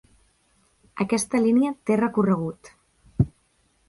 Aquesta línia té recorregut.